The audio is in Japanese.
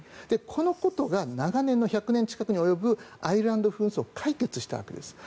このことが長年の１００年近くに及ぶアイルランド紛争を解決したわけです。